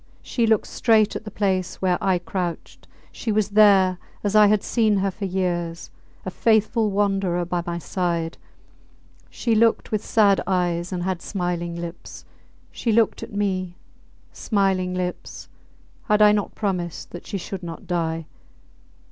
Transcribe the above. She looked straight at the place where I crouched. She was there as I had seen her for years a faithful wanderer by my side. She looked with sad eyes and had smiling lips; she looked at me ... Smiling lips! Had I not promised that she should not die!